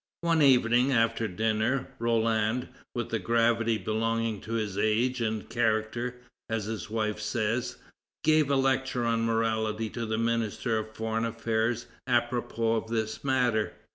One evening, after dinner, Roland, "with the gravity belonging to his age and character," as his wife says, gave a lecture on morality to the Minister of Foreign Affairs apropos of this matter.